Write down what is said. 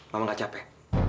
mama nggak capek